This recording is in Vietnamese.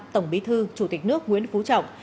tổng bí thư chủ tịch nước nguyễn phú trọng